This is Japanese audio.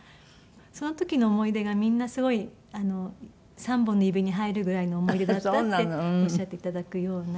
その時の思い出がみんなすごい３本の指に入るぐらいの思い出だったっておっしゃって頂くような。